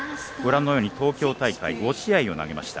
東京大会５試合を投げました。